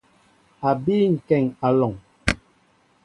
A bii kéŋ alɔŋ.